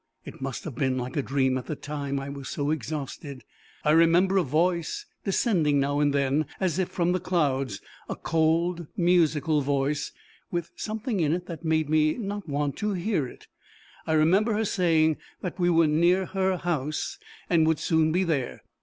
It must have been like a dream at the time, I was so exhausted. I remember a voice descending now and then, as if from the clouds a cold musical voice, with something in it that made me not want to hear it. I remember her saying that we were near her house, and would soon be there.